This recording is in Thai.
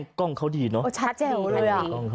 ว่ากล้องเขาดีนะชัดอยู่ด้วย